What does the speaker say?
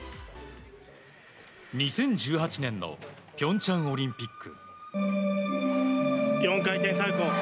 ２０１８年の平昌オリンピック。